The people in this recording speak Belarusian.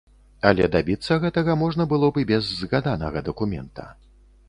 Але дабіцца гэтага можна было б і без згаданага дакумента.